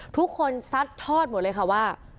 ซัดทอดหมดเลยค่ะว่า